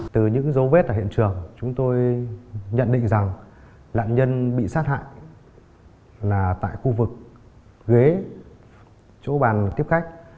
từ những dấu vết ở hiện trường chúng tôi nhận định rằng nạn nhân bị sát hại là tại khu vực ghế chỗ bàn tiếp khách